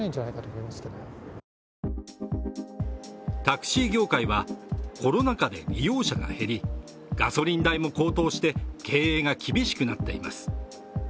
タクシー業界はコロナ禍で利用者が減り、ガソリン代も高騰して経営が厳しくなっています。